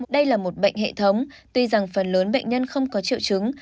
đây là một bệnh hệ thống tuy rằng phần lớn bệnh nhân không có triệu chứng